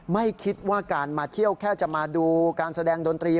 ไม่คิดว่าการมาเที่ยวแค่จะมาดูการแสดงดนตรี